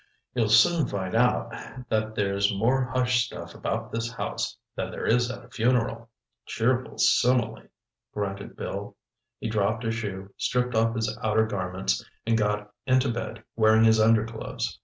"You'll soon find out that there's more hush stuff about this house than there is at a funeral." "Cheerful simile!" grunted Bill. He dropped a shoe, stripped off his outer garments, and got into bed wearing his underclothes.